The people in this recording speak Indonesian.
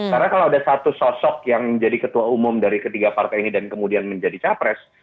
karena kalau ada satu sosok yang menjadi ketua umum dari ketiga partai ini dan kemudian menjadi capres